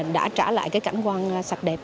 đã trả lại cảnh quan sạc đẹp